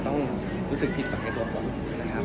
ต้องรู้สึกผิดจากในตัวผมนะครับ